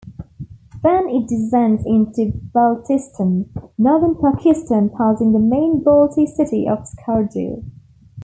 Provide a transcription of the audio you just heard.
Then it descends into Baltistan, northern Pakistan passing the main Balti city of Skardu.